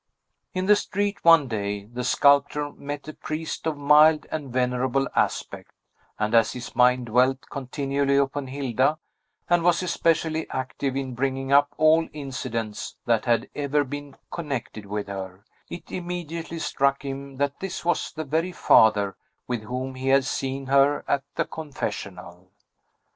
In the street, one day, the sculptor met a priest of mild and venerable aspect; and as his mind dwelt continually upon Hilda, and was especially active in bringing up all incidents that had ever been connected with her, it immediately struck him that this was the very father with whom he had seen her at the confessional.